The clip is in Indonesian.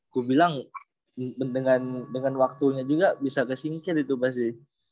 aku bilang dengan waktunya juga bisa kesingkir itu pasti